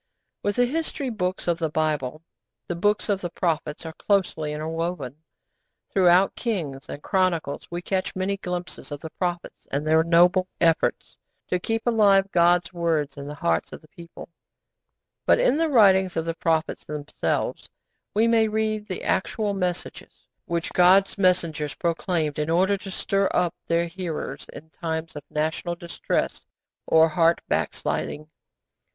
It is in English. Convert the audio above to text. With the History Books of the Bible, the Books of the Prophets are closely interwoven. Throughout Kings and Chronicles we catch many glimpses of the prophets and of their noble efforts to keep alive God's words in the hearts of the people; but in the writings of the prophets themselves we may read the actual messages which God's messengers proclaimed in order to stir up their hearers in times of national distress or heart backsliding.